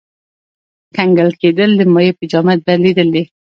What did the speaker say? کنګل کېدل د مایع په جامد بدلیدل دي.